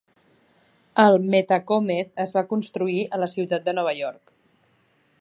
El "Metacomet" es va construir a la ciutat de Nova York.